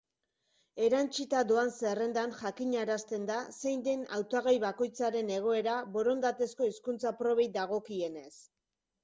Erantsita doan zerrendan jakinarazten da zein den hautagai bakoitzaren egoera borondatezko hizkuntza-probei dagokienez.